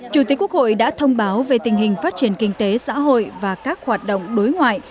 chủ tịch quốc hội đã thông báo về tình hình phát triển kinh tế xã hội và các hoạt động đối ngoại